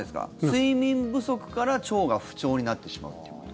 睡眠不足から腸が不調になってしまうということ。